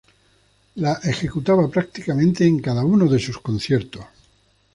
La ejecutaba prácticamente en cada uno de sus conciertos.